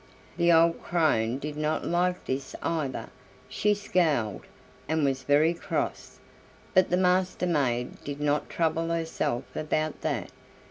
The old crone did not like this either. She scowled, and was very cross, but the Master maid did not trouble herself about that.